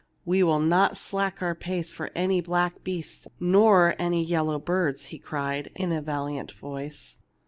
"We will not slack our pace for any black beasts nor any yellow birds/'' he cried, in a valiant voice.